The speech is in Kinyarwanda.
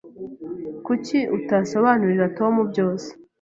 Kuki utasobanurira Tom byose?